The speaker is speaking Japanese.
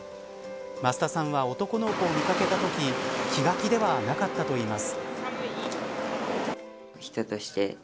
増田さんは男の子を見かけたとき気が気ではなかったといいます。